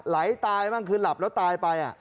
ไหลตายบ้างคือหลับแล้วตายไป